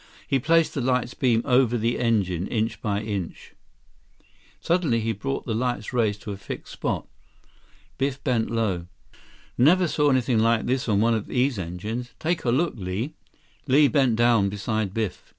He placed the light's beam over the engine, inch by inch. Suddenly he brought the light's rays to a fixed spot. Biff bent low. "Never saw anything like this on one of these engines. Take a look, Li." Li bent down beside Biff.